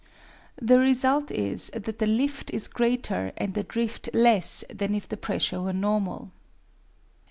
The result is that the lift is greater and the drift less than if the pressure were normal.